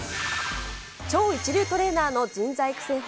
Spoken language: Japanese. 超一流トレーナーの人材育成法